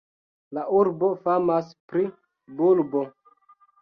La urbo famas pri bulbo.